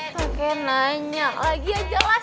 saking nanya lagi aja lah